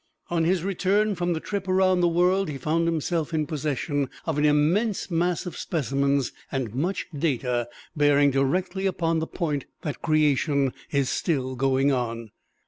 On his return from the trip around the world he found himself in possession of an immense mass of specimens and much data bearing directly upon the point that creation is still going on.